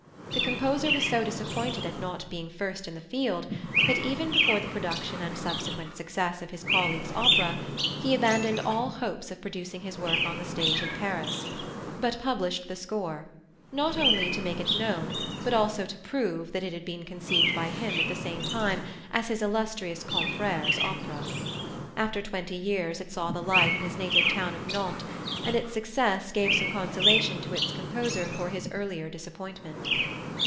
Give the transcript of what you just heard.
The composer was so disappointed at not being first in the field, that even before the production and subsequent success of his colleague's opera he abandoned all hopes of producing his work on the stage in Paris, but published the score, not only to make it known but also to prove that it had been conceived by him at the same time as his illustrious confrère's opera. After twenty years it saw the light in his native town of Nantes, and its success gave some consolation to its composer for his earlier disappointment.